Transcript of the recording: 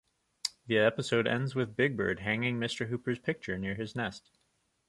The episode ends with Big Bird hanging Mr. Hooper's picture near his nest.